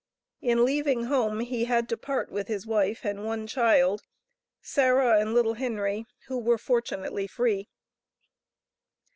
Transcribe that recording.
In leaving home he had to part with his wife and one child, Sarah and little Henry, who were fortunately free.